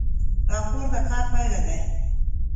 راپور د کار پایله ده